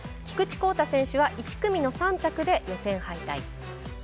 菊池耕太選手は１組の３着で予選敗退。